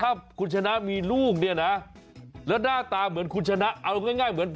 ถ้าคุณชนะมีลูกเนี่ยนะแล้วหน้าตาเหมือนคุณชนะเอาง่ายเหมือน